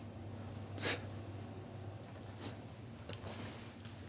フッ。